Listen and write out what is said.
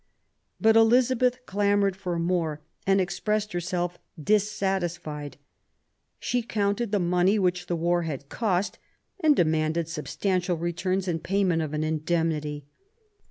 But Eliza beth clamoured for more, and expressed herself dissatisfied. She counted the money which the war had cost and demanded substantial returns in pay ment of an indemnity.